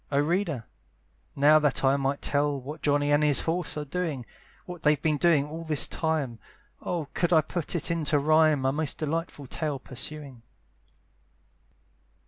Oh reader! now that I might tell What Johnny and his horse are doing! What they've been doing all this time, Oh could I put it into rhyme, A most delightful tale pursuing!